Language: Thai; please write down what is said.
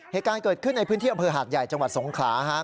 เหตุการณ์เกิดขึ้นในพื้นที่อำเภอหาดใหญ่จังหวัดสงขลา